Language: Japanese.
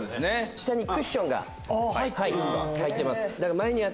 下にクッションが入ってます。